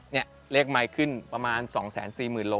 นี่เลขไมค์ขึ้นประมาณ๒๔๐๐๐โล